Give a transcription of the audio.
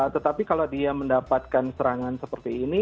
tetapi kalau dia mendapatkan serangan seperti ini